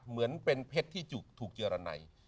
เหมือนเป็นเพชรที่ถูกเจราใน